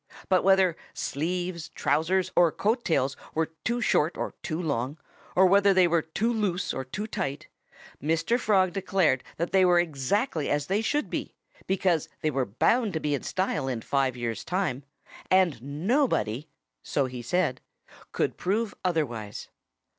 But whether sleeves, trousers or coat tails were too short or too long, or whether they were too loose or too tight, Mr. Frog declared that they were exactly as they should be, because they were bound to be in style in five years' time, and nobody so he said could prove otherwise.